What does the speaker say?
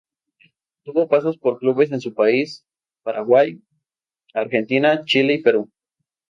Tuvo pasos por clubes de su país Paraguay, Argentina, Chile y Perú.